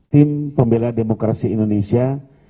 tim pembela demokrasi indonesia